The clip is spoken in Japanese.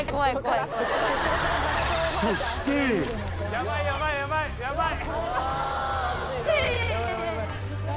ヤバいヤバいヤバいヤバい